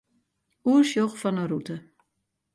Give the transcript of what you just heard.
Oersjoch fan 'e rûte.